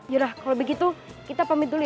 ya kalau begitu kita pamit dulu ya